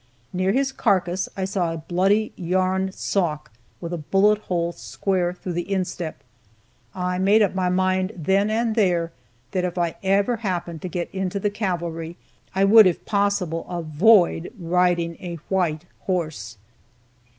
Near his carcass I saw a bloody yarn sock, with a bullet hole square through the instep. I made up my mind then and there, that if ever I happened to get into the cavalry I would, if possible, avoid riding a white horse.